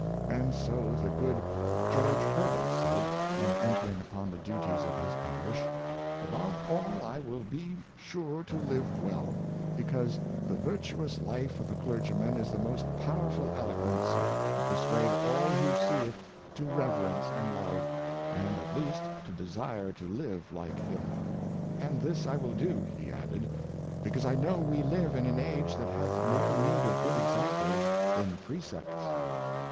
And so the good George Herbert said, on entering upon the duties of his parish: " Above all I will be sure to live well, be cause the virtuous life of a clergyman is the most pow erful eloquence, to persuade all who see it to reverence and love, and at least to desire to live like him. And this I will do," he added, " because 1 know we live in an age that hath more need of good examples than pre cepts."